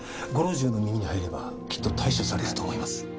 ご老中の耳に入ればきっと対処されると思います。